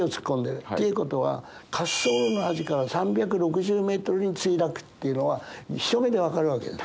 っていうことは滑走路の端から３６０メートルに墜落っていうのは一目で分かるわけです。